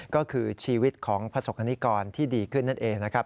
ก็คือชีวิตของประสบกรณิกรที่ดีขึ้นนั่นเองนะครับ